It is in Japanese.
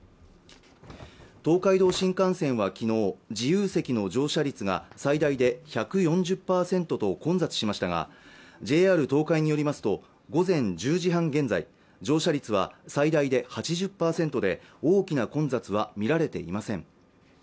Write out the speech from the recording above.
東海道新幹線はきのう自由席の乗車率が最大で１４０％と混雑しましたがＪＲ東海によりますと午前１０時半現在乗車率は最大で８０％で大きな混雑は見られていません